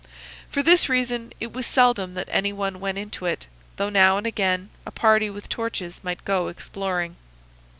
For this reason it was seldom that any one went into it, though now and again a party with torches might go exploring.